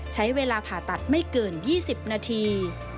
ใช้เวลาผ่าตัดไม่เกิน๒๐นาที